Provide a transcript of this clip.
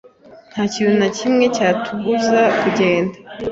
Ntakintu nakimwe cyatubuza kugenda